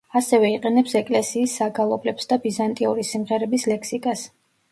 ასევე იყენებს ეკლესიის საგალობლებს და ბიზანტიური სიმღერების ლექსიკას.